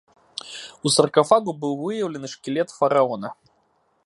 У саркафагу быў выяўлены шкілет фараона.